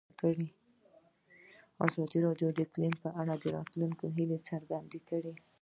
ازادي راډیو د اقلیم په اړه د راتلونکي هیلې څرګندې کړې.